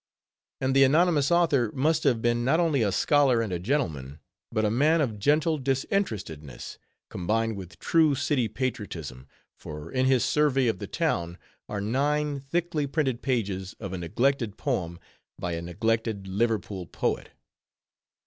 And the anonymous author must have been not only a scholar and a gentleman, but a man of gentle disinterestedness, combined with true city patriotism; for in his _"Survey of__ the Town"_ are nine thickly printed pages of a neglected poem by a neglected Liverpool poet.